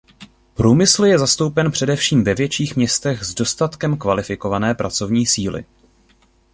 Průmysl je zastoupen především ve větších městech s dostatkem kvalifikované pracovní síly.